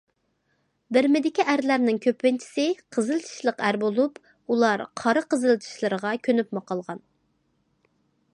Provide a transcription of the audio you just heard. بىرمىدىكى ئەرلەرنىڭ كۆپىنچىسى‹‹ قىزىل چىشلىق ئەر›› بولۇپ، ئۇلار قارا قىزىل چىشلىرىغا كۆنۈپمۇ قالغان.